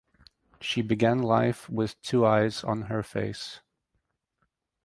She began life with two eyes on her face.